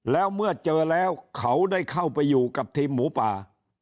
แล้วเมื่อเจอแล้วเขาได้เข้าไปอยู่กับทีมหมูป่า